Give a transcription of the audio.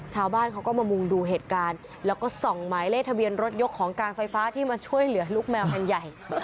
ชาวบ้านเขาก็มามุงดูเหตุการณ์แล้วก็ส่องหมายเลขทะเบียนรถยกของการไฟฟ้าที่มาช่วยเหลือลูกแมวคันใหญ่